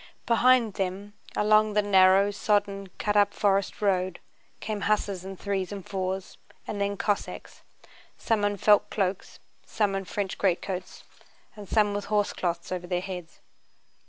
Behind them along the narrow, sodden, cut up forest road came hussars in threes and fours, and then Cossacks: some in felt cloaks, some in French greatcoats, and some with horsecloths over their heads.